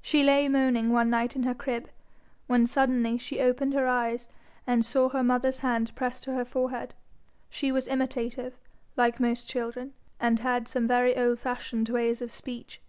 She lay moaning one night in her crib, when suddenly she opened her eyes and saw her mother's hand pressed to her forehead. She was imitative, like most children, and had some very old fashioned ways of speech.